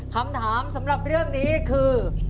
คำถามสำหรับเรื่องนี้คือ